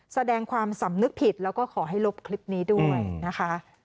แสดงความสำนึกผิดแล้วก็ขอให้ลบคลิปนี้ด้วยนะคะ